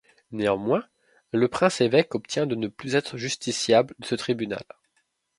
Néanmoins, le prince-évêque obtient de ne plus être justiciable de ce tribunal.